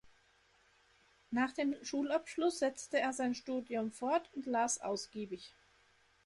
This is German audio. Nach dem Schulabschluss setzte er sein Studium fort und las ausgiebig.